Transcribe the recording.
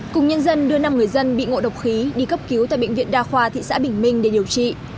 cùng nhân dân đưa năm người dân bị ngộ độc khí đi cấp cứu tại bệnh viện đa khoa thị xã bình minh để điều trị